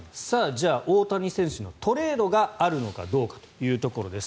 じゃあ大谷選手のトレードがあるのかどうかというところです。